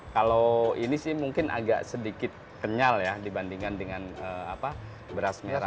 kalau ini sih mungkin agak sedikit kenyal ya dibandingkan dengan beras merah